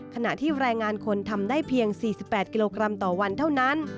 ขณะที่แรงงานคนทำได้เพียง๔๘กิโลกรัมต่อวันเท่านั้น